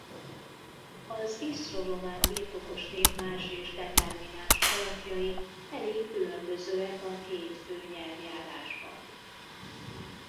Az isztroromán birtokos névmás és determináns alakjai elég különbözőek a két fő nyelvjárásban.